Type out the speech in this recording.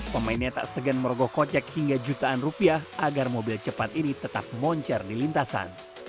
pemainnya tak segan merogoh kocek hingga jutaan rupiah agar mobil cepat ini tetap moncer di lintasan